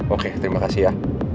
oke terima kasih ya